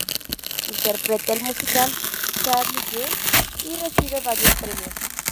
Interpreta el musical "Charlie girl" y recibe varios premios.